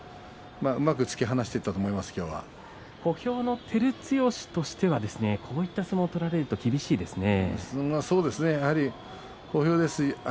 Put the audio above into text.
うまく突き放していったと小兵の照強としてはこういう相撲を取られると厳しいですね。